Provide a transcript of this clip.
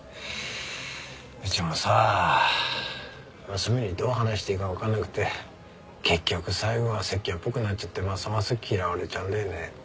うちもさ娘にどう話していいかわかんなくて結局最後は説教っぽくなっちゃってますます嫌われちゃうんだよね。